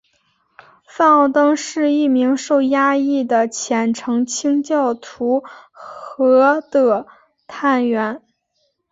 范奥登是一名受压抑的虔诚清教徒和的探员。